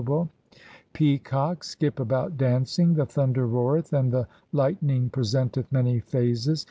272 THE SIKH RELIGION Peacocks skip about dancing, the thunder roareth and the lightning presenteth many phases.